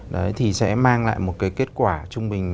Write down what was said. đấy thì sẽ mang lại một cái kết quả trung bình